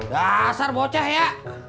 dasar bocah ya